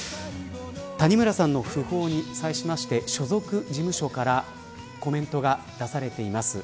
谷村さんの訃報に際して所属事務所からコメントが出されています。